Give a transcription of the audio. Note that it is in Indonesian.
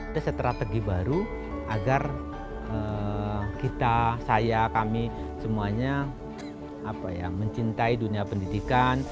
ada strategi baru agar kita saya kami semuanya mencintai dunia pendidikan